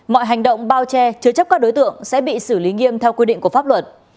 mọi hành động bao che chứa chấp các đối tượng sẽ bị xử lý nghiêm theo quy định của pháp luật